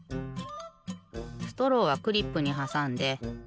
ストローはクリップにはさんで。